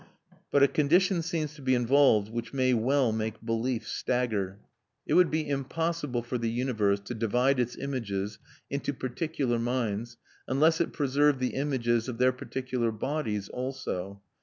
But a condition seems to be involved which may well make belief stagger. It would be impossible for the universe to divide its images into particular minds unless it preserved the images of their particular bodies also.